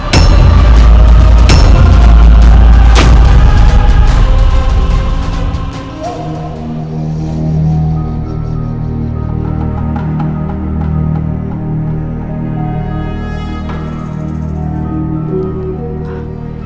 aku akan membuat perhitungan